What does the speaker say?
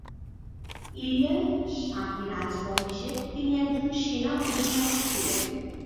ইলিয়াস শাহি রাজবংশের তিনি একজন সেনা অধিনায়ক ছিলেন।